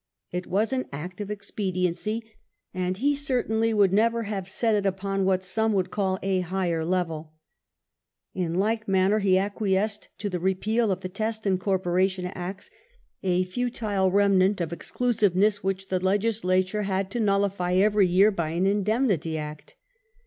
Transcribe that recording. It was an act of expediency, and he certainly would never have set it upon what some would call a higher level In like manner he acquiesced in the repeal of the Test and Corporation Acts, a futile remnant of exclusiveness which the legislature had to nullify every year by an Indemnity Act